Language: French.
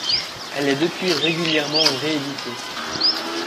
Elle est depuis régulièrement rééditée.